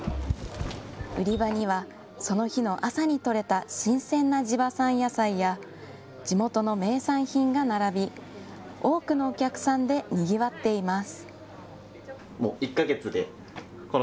売り場にはその日の朝に採れた新鮮な地場産野菜や地元の名産品が並び多くのお客さんでにぎわっています。